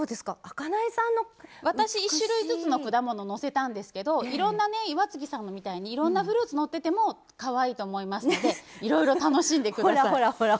私１種類ずつの果物のせたんですけど岩槻さんみたいにいろんなフルーツがのっててもかわいいと思いますのでいろいろ楽しんでください。